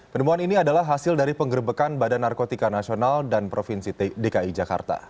penemuan ini adalah hasil dari penggerbekan badan narkotika nasional dan provinsi dki jakarta